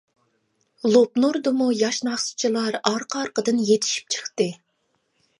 لوپنۇردىمۇ ياش ناخشىچىلار ئارقا-ئارقىدىن يېتىشىپ چىقتى.